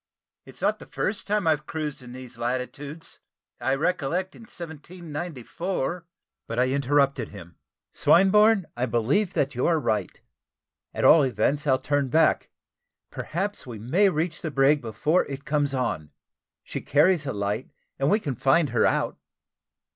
It's not the first time I've cruised in these latitudes. I recollect in 1794 " But I interrupted him: "Swinburne, I believe that you are right. At all events I'll turn back; perhaps we may reach the brig before it comes on. She carries a light, and we can find her out."